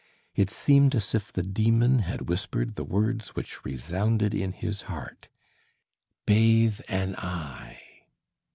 It seemed as if the demon had whispered the words which resounded in his heart: "Bathe an eye!"